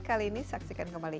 kali ini saksikan kembali